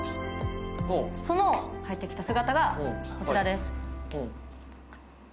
その帰ってきた姿がこちらです。